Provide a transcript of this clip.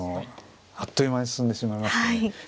あっという間に進んでしまいましたね。